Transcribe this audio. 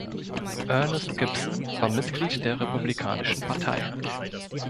Ernest Gibson war Mitglied der Republikanischen Partei.